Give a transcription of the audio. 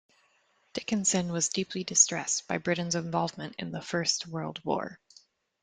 Dickinson was deeply distressed by Britain's involvement in the First World War.